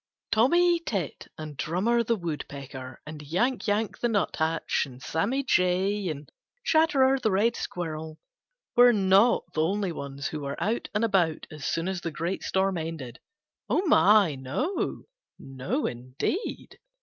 Tommy Tit and Drummer the Woodpecker and Yank Yank the Nuthatch and Sammy Jay and Chatterer the Red Squirrel were not the only ones who were out and about as soon as the great storm ended. Oh, my, no! No, indeed!